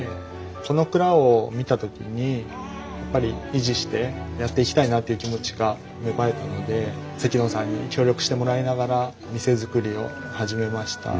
この蔵を見た時にやっぱり維持してやっていきたいなっていう気持ちが芽生えたので関野さんに協力してもらいながら店づくりを始めました。